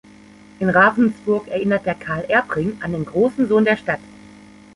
In Ravensburg erinnert der "Karl-Erb-Ring" an den großen Sohn der Stadt.